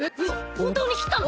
本当に切ったの？